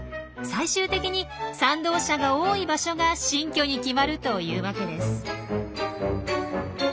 最終的に賛同者が多い場所が新居に決まるというわけです。